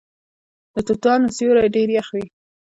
د توتانو سیوری ډیر یخ وي.